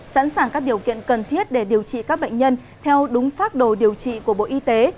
sẵn sàng các điều kiện cần thiết để điều trị các bệnh nhân theo đúng phác đồ điều trị của bộ y tế